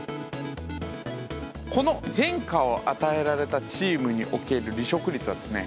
この変化を与えられたチームにおける離職率はですね